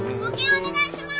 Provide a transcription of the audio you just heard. お願いします！